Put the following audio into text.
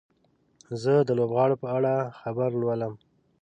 زه د لوبغاړي په اړه خبر لولم.